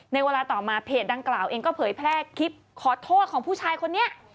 ในเวลาต่อมาเพจดังกล่าวเองก็เผยแพร่คลิปขอโทษของผู้ชายคนนี้